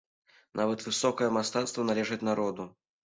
Нават высокае мастацтва належыць народу.